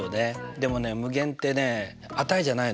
でもね無限ってね値じゃないのよ。